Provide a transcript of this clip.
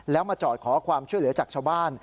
แล้วมาจอดขอความช่วยเหลือจากชาวบ้าน